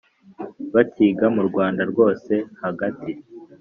Bakiga mu Rwanda rwo hagati